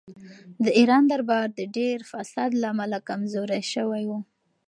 د ایران دربار د ډېر فساد له امله کمزوری شوی و.